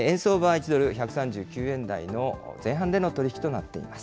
円相場は１ドル１３９円台の前半での取り引きとなっています。